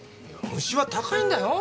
虫は高いんだよ。